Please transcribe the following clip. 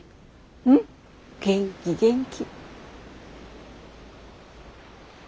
うん元気元気。